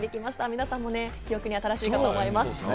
皆さん記憶に新しいかと思います。